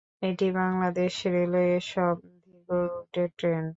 এটি বাংলাদেশ রেলওয়ের সব দীর্ঘ রুটের ট্রেন।